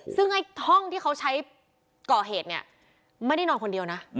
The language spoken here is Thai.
ซึ่งไอ้ห้องที่เขาใช้ก่อเหตุเนี่ยไม่ได้นอนคนเดียวนะ